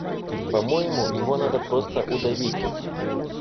По-моему, его надо просто удавить.